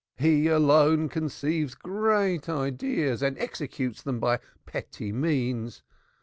He alone conceives great ideas and executes them by petty means.